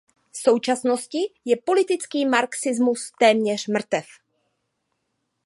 V současnosti je politický marxismus téměř mrtev.